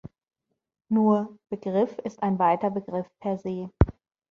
Nur: „Begriff“ ist ein zu weiter Begriff per se.